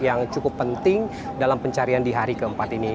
yang cukup penting dalam pencarian di hari keempat ini